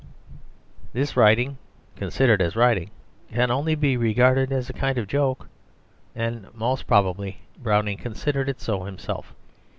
This writing, considered as writing, can only be regarded as a kind of joke, and most probably Browning considered it so himself.